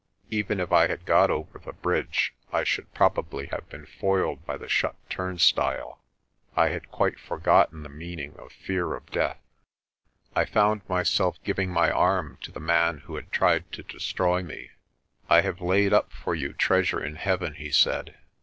Even if I had got over the bridge I should probably have been foiled by the shut turnstile. I had quite forgotten the meaning of fear of death. I found myself giving my arm to the man who had tried to destroy me. "I have laid up for you treasure in heaven," he said.